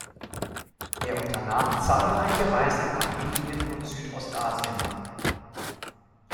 Er unternahm zahlreiche Reisen nach Indien und Südostasien.